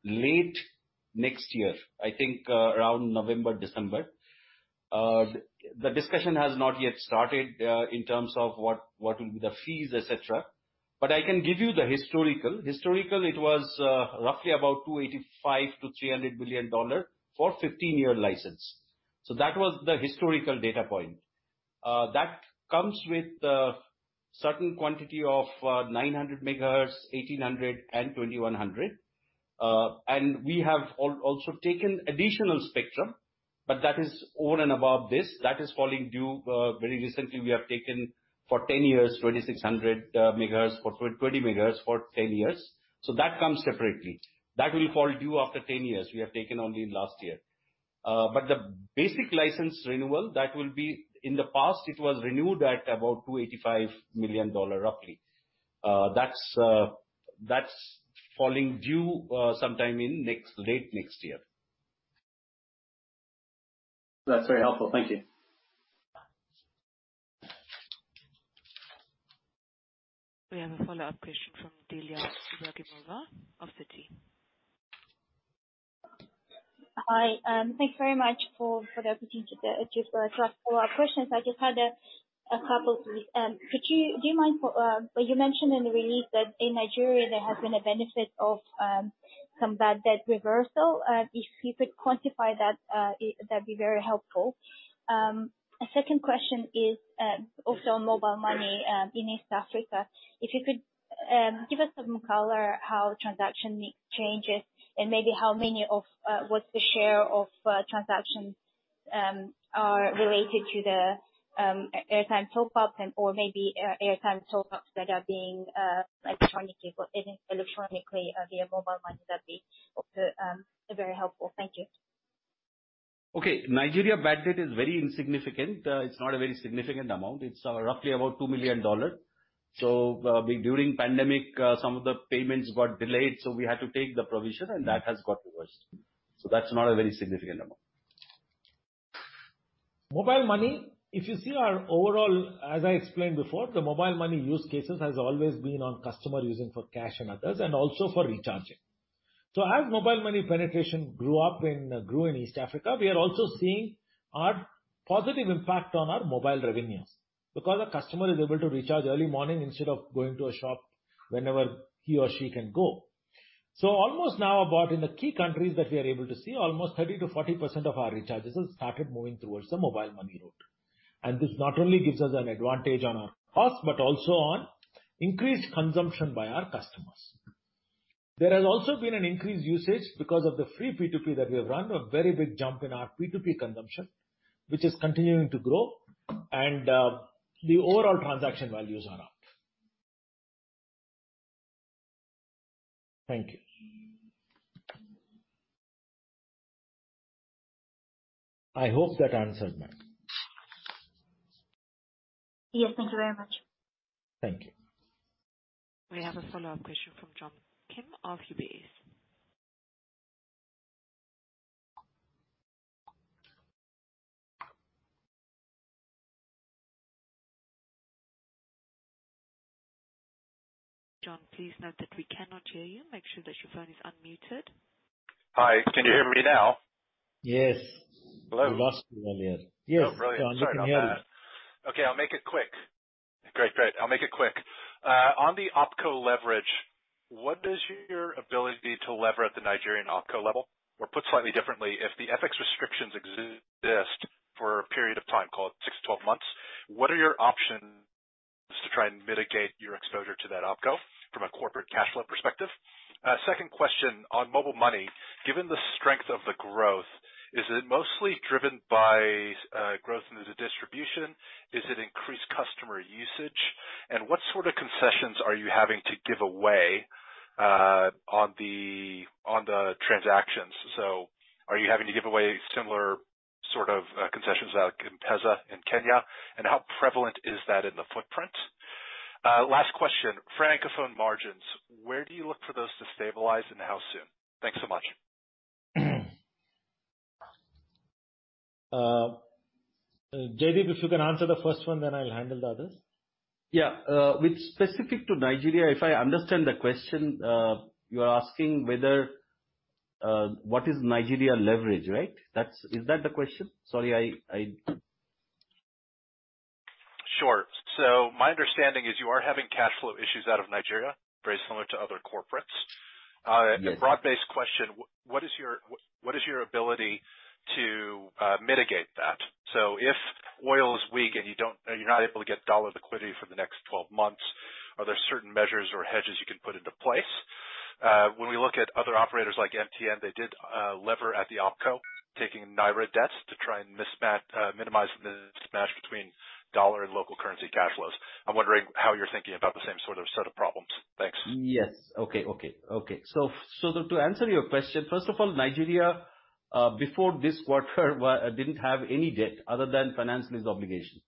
late next year, I think around November, December. The discussion has not yet started, in terms of what will be the fees, et cetera. I can give you the historical. Historical, it was roughly about $285 million-$300 million for 15-year license. That was the historical data point. That comes with a certain quantity of 900 MHz, 1800 MHz, and 2100 MHz. We have also taken additional spectrum, but that is over and above this. That is falling due very recently, we have taken for 10 years, 2,600 MHz for 20 MHz for 10 years. That comes separately. That will fall due after 10 years. We have taken only in last year. The basic license renewal, in the past, it was renewed at about $285 million roughly. That's falling due sometime in late next year. That's very helpful. Thank you. We have a follow-up question from Dilya Ibragimova of Citi. Hi. Thanks very much for the opportunity to ask follow-up questions. I just had a couple, please. You mentioned in the release that in Nigeria there has been a benefit of some bad debt reversal. If you could quantify that'd be very helpful. Second question is, also on Airtel Money, in East Africa. If you could give us some color how transaction mix changes and maybe what's the share of transactions are related to the airtime top-ups or maybe airtime top-ups that are being electronically via Airtel Money, that'd be also very helpful. Thank you. Okay. Nigeria bad debt is very insignificant. It's not a very significant amount. It's roughly about $2 million. During pandemic, some of the payments got delayed, so we had to take the provision, and that has got reversed. That's not a very significant amount. Mobile money, if you see our overall, as I explained before, the mobile money use cases has always been on customer using for cash and others, and also for recharging. As mobile money penetration grew in East Africa, we are also seeing a positive impact on our mobile revenues because a customer is able to recharge early morning instead of going to a shop whenever he or she can go. Almost now about in the key countries that we are able to see, almost 30%-40% of our recharges have started moving towards the mobile money route. This not only gives us an advantage on our costs, but also on increased consumption by our customers. There has also been an increased usage because of the free P2P that we have run, a very big jump in our P2P consumption, which is continuing to grow. The overall transaction values are up. Thank you. I hope that answered. Yes. Thank you very much. Thank you. We have a follow-up question from John Kim of UBS. John, please note that we cannot hear you. Make sure that your phone is unmuted. Hi. Can you hear me now? Yes. Hello. We lost you earlier. Yes, John, can hear you. Oh, brilliant. Sorry about that. Okay, I'll make it quick. Great. I'll make it quick. On the OpCo leverage, what is your ability to lever at the Nigerian OpCo level? Put slightly differently, if the FX restrictions exist for a period of time, call it 6-12 months, what are your options to try and mitigate your exposure to that OpCo from a corporate cash flow perspective? Second question, on mobile money, given the strength of the growth, is it mostly driven by growth into the distribution? Is it increased customer usage? What sort of concessions are you having to give away on the transactions? Are you having to give away similar sort of concessions like M-PESA in Kenya? How prevalent is that in the footprint? Last question, Francophone margins. Where do you look for those to stabilize and how soon? Thanks so much. Jaideep, if you can answer the first one, then I'll handle the others. Yeah. With specific to Nigeria, if I understand the question, you are asking what is Nigeria leverage, right? Is that the question? Sorry. Sure. My understanding is you are having cash flow issues out of Nigeria, very similar to other corporates. Yes. A broad-based question, what is your ability to mitigate that? If oil is weak and you're not able to get dollar liquidity for the next 12 months, are there certain measures or hedges you can put into place? When we look at other operators like MTN, they did lever at the OpCo, taking naira debts to try and minimize the mismatch between dollar and local currency cash flows. I'm wondering how you're thinking about the same sort of set of problems. Thanks. Yes. Okay. To answer your question, first of all, Nigeria, before this quarter, didn't have any debt other than finance lease obligation.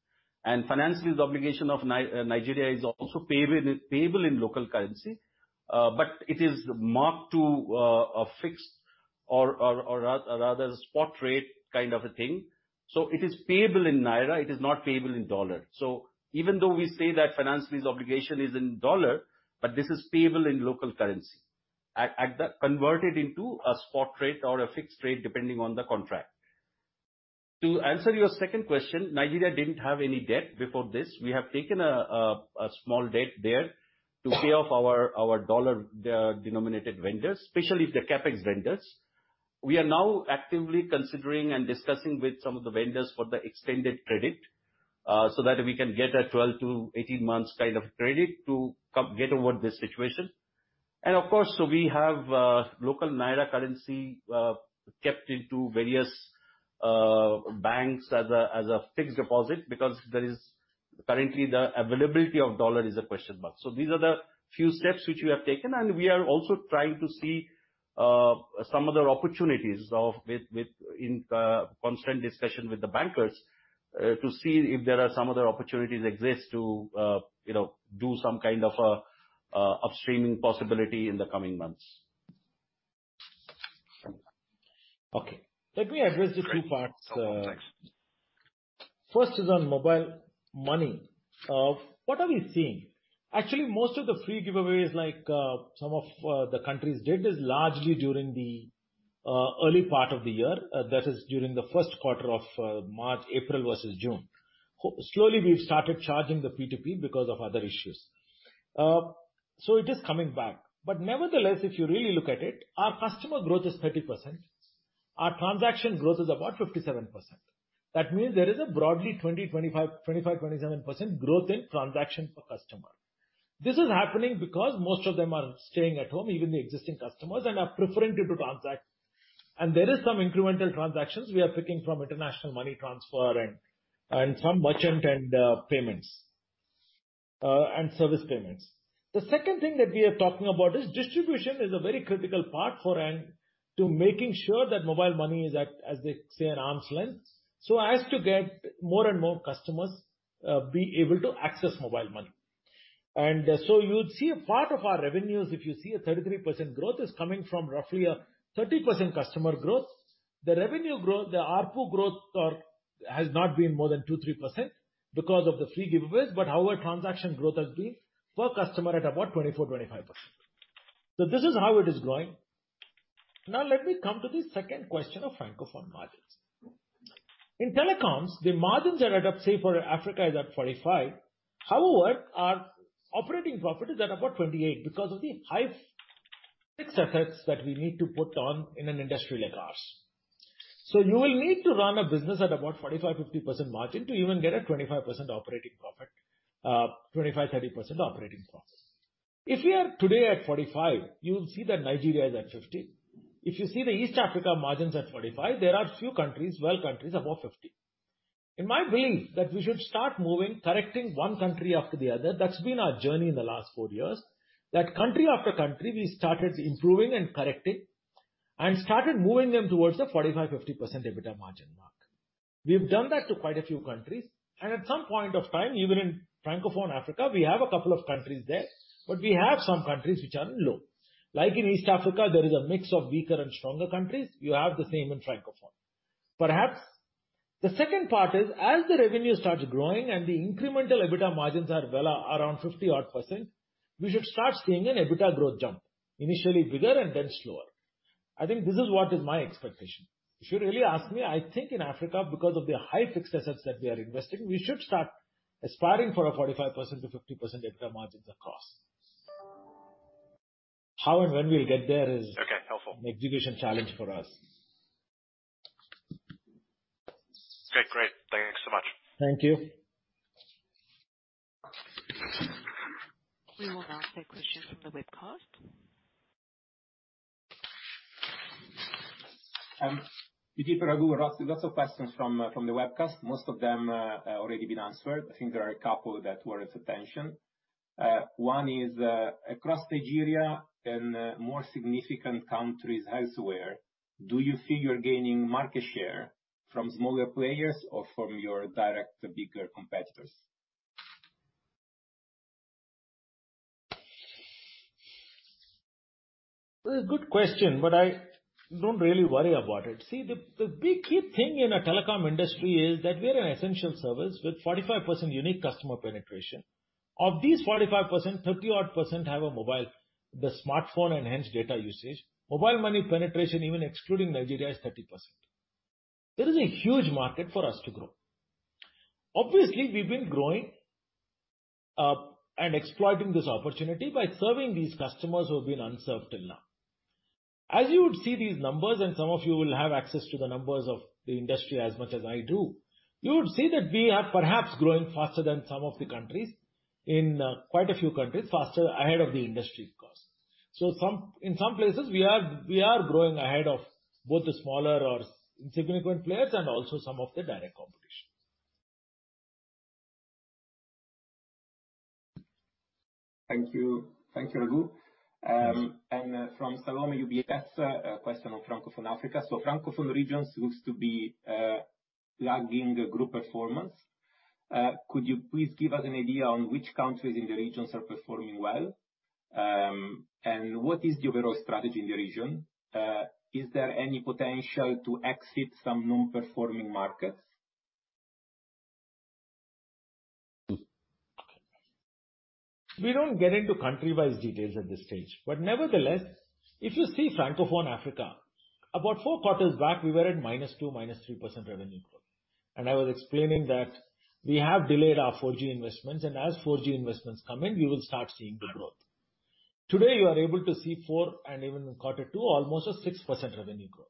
Finance lease obligation of Nigeria is also payable in local currency. It is marked to a fixed or rather spot rate kind of a thing. It is payable in naira, it is not payable in dollar. Even though we say that finance lease obligation is in dollar, but this is payable in local currency, converted into a spot rate or a fixed rate, depending on the contract. To answer your second question, Nigeria didn't have any debt before this. We have taken a small debt there to pay off our dollar-denominated vendors, especially the CapEx vendors. We are now actively considering and discussing with some of the vendors for the extended credit, so that we can get a 12-18 months credit to get over this situation. Of course, we have local naira currency kept into various banks as a fixed deposit because currently the availability of dollar is a question mark. These are the few steps which we have taken, and we are also trying to see some other opportunities in constant discussion with the bankers, to see if there are some other opportunities exist to do some kind of a upstreaming possibility in the coming months. Okay. Let me address the two parts. First is on mobile money. What are we seeing? Actually, most of the free giveaways, like some of the countries did, is largely during the early part of the year. That is during the first quarter of March, April versus June. Slowly, we've started charging the P2P because of other issues. It is coming back. Nevertheless, if you really look at it, our customer growth is 30%. Our transaction growth is about 57%. That means there is a broadly 20%, 25%, 27% growth in transaction per customer. This is happening because most of them are staying at home, even the existing customers, and are preferring to transact. There is some incremental transactions we are picking from international money transfer and some merchant end payments, and service payments. The second thing that we are talking about is distribution is a very critical part for us to making sure that mobile money is at, as they say, an arm's length, so as to get more and more customers be able to access mobile money. You would see a part of our revenues, if you see a 33% growth is coming from roughly a 30% customer growth. The revenue growth, the ARPU growth has not been more than 2%-3%, because of the free giveaways. However, transaction growth has been per customer at about 24%-25%. This is how it is growing. Now let me come to the second question of Francophone margins. In telecoms, the margins are at, let's say, for Africa is at 45%. However, our operating profit is at about 28% because of the high fixed assets that we need to put on in an industry like ours. You will need to run a business at about 45%-50% margin to even get a 25% operating profit. 25%-30% operating profit. If we are today at 45%, you'll see that Nigeria is at 50%. If you see the East Africa margins at 45%, there are a few countries, 12 countries above 50%. In my belief that we should start moving, correcting one country after the other, that's been our journey in the last four years. Country after country, we started improving and correcting, and started moving them towards the 45%-50% EBITDA margin mark. We've done that to quite a few countries. At some point of time, even in Francophone Africa, we have a couple of countries there, but we have some countries which are low. In East Africa, there is a mix of weaker and stronger countries. You have the same in Francophone. Perhaps, the second part is as the revenue starts growing and the incremental EBITDA margins are well around 50% odd, we should start seeing an EBITDA growth jump. Initially bigger and then slower. I think this is what is my expectation. If you really ask me, I think in Africa, because of the high fixed assets that we are investing, we should start aspiring for a 45%-50% EBITDA margins across. How and when we'll get there is an execution challenge for us. Okay, helpful. Okay, great. Thank you so much. Thank you. We will now take questions from the webcast. Raghu, lots of questions from the webcast. Most of them have already been answered. I think there are a couple that warrants attention. One is, across Nigeria and more significant countries elsewhere, do you feel you're gaining market share from smaller players or from your direct bigger competitors? Good question. I don't really worry about it. See, the big key thing in a telecom industry is that we are an essential service with 45% unique customer penetration. Of these 45%, 30% odd have a mobile. The smartphone enhanced data usage. Mobile money penetration, even excluding Nigeria, is 30%. There is a huge market for us to grow. Obviously, we've been growing and exploiting this opportunity by serving these customers who have been unserved till now. As you would see these numbers, and some of you will have access to the numbers of the industry as much as I do, you would see that we are perhaps growing faster than some of the countries, in quite a few countries, faster ahead of the industry, of course. In some places, we are growing ahead of both the smaller or insignificant players and also some of the direct competition. Thank you. Thank you, Raghu. From Salome, UBS, a question on Francophone Africa. Francophone regions seems to be lagging group performance. Could you please give us an idea on which countries in the regions are performing well? What is the overall strategy in the region? Is there any potential to exit some non-performing markets? We don't get into country-wise details at this stage. Nevertheless, if you see Francophone Africa, about four quarters back, we were at -2%, -3% revenue growth. I was explaining that we have delayed our 4G investments, and as 4G investments come in, we will start seeing the growth. Today, you are able to see four and even in quarter two, almost a 6% revenue growth.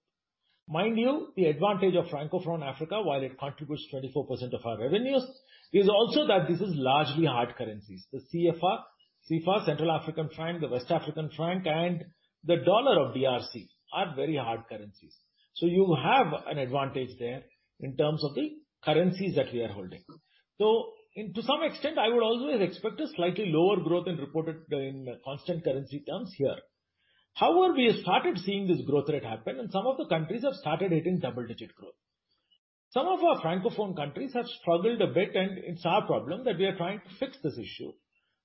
Mind you, the advantage of Francophone Africa, while it contributes 24% of our revenues, is also that this is largely hard currencies. The CFA, Central African franc, the West African franc, and the dollar of DRC are very hard currencies. You have an advantage there in terms of the currencies that we are holding. To some extent, I would always expect a slightly lower growth in constant currency terms here. However, we have started seeing this growth rate happen, and some of the countries have started hitting double-digit growth. Some of our Francophone countries have struggled a bit. It's our problem that we are trying to fix this issue,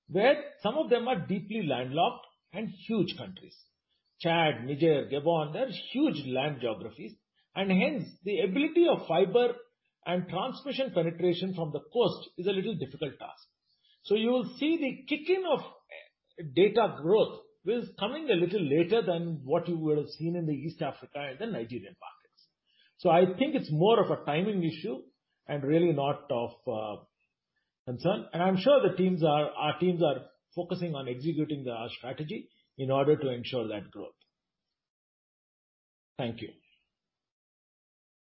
where some of them are deeply landlocked and huge countries. Chad, Niger, Gabon, they're huge land geographies. Hence the ability of fiber and transmission penetration from the coast is a little difficult task. You will see the kick-in of data growth is coming a little later than what you would have seen in the East Africa and the Nigerian markets. I think it's more of a timing issue and really not of concern. I'm sure our teams are focusing on executing the strategy in order to ensure that growth. Thank you.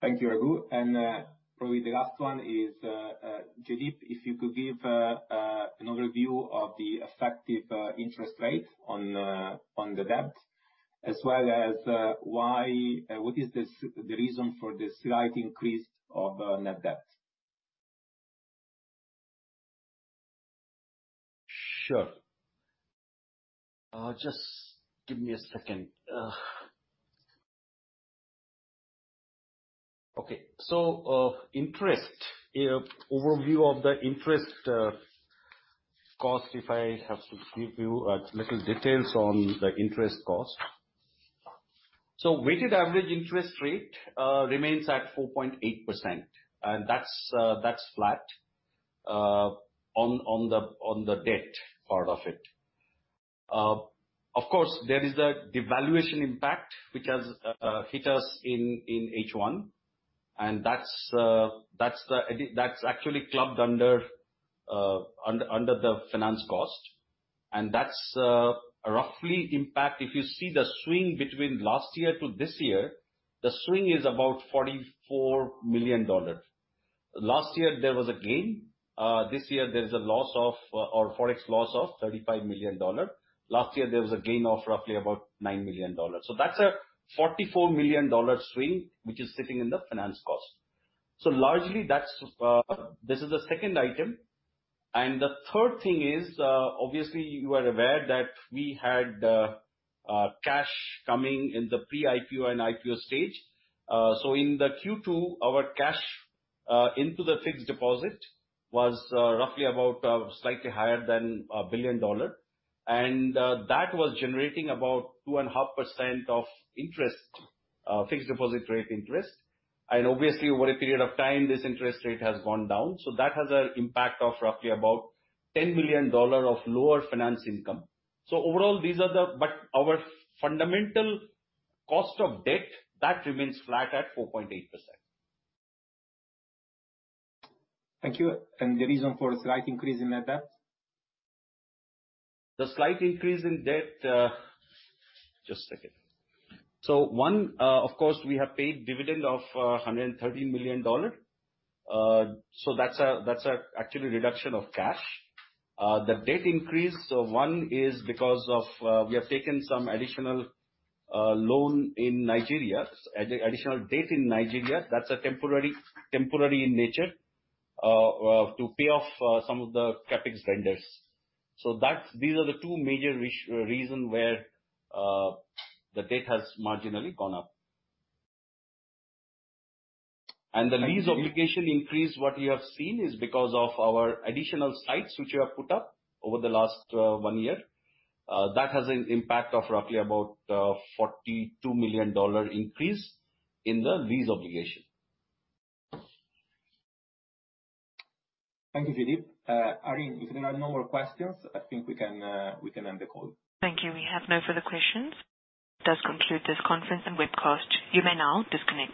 Thank you, Raghu. Probably the last one is, Jaideep, if you could give an overview of the effective interest rate on the debt, as well as what is the reason for the slight increase of net debt? Sure. Just give me a second. Okay. Overview of the interest cost, if I have to give you a little details on the interest cost. Weighted average interest rate remains at 4.8%, and that's flat on the debt part of it. Of course, there is the devaluation impact which has hit us in H1, and that's actually clubbed under the finance cost. That's roughly impact, if you see the swing between last year to this year, the swing is about $44 million. Last year, there was a gain. This year, there's a Forex loss of $35 million. Last year, there was a gain of roughly about $9 million. That's a $44 million swing, which is sitting in the finance cost. Largely, this is the second item. The third thing is, obviously, you are aware that we had cash coming in the pre-IPO and IPO stage. In the Q2, our cash into the fixed deposit was roughly about slightly higher than $1 billion. That was generating about 2.5% of fixed deposit rate interest. Obviously, over a period of time, this interest rate has gone down. That has an impact of roughly about $10 million of lower finance income. Overall, our fundamental cost of debt, that remains flat at 4.8%. Thank you. The reason for the slight increase in net debt? The slight increase in debt. Just a second. One, of course, we have paid dividend of $113 million. That's actually reduction of cash. The debt increase, one is because we have taken some additional loan in Nigeria, additional debt in Nigeria. That's temporary in nature, to pay off some of the CapEx vendors. These are the two major reason where the debt has marginally gone up. The lease obligation increase, what we have seen is because of our additional sites which we have put up over the last one year. That has an impact of roughly about $42 million increase in the lease obligation. Thank you, Jaideep. Arian, if there are no more questions, I think we can end the call. Thank you. We have no further questions. Does conclude this conference and webcast. You may now disconnect.